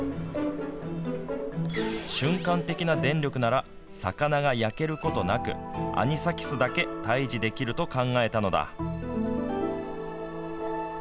瞬間的な電力なら魚が焼けることなくアニサキスだけ退治できると考えたのだ。